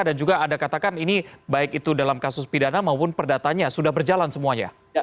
dan juga anda katakan ini baik itu dalam kasus pidana maupun perdatanya sudah berjalan semuanya